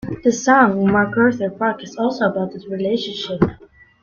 The song MacArthur Park is also about that relationship.